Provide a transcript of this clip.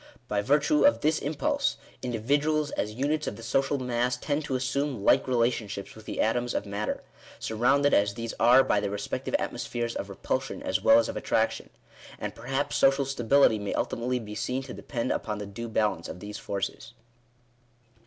By virtue of this impulse, indi viduals, as units of the social mass, tend to assume like relation ships with the atoms of matter, surrounded as these are by their respective atmospheres of repulsion as well as of attraction. And perhaps social stability may ultimately be seen to depend upon the due balance of these forces.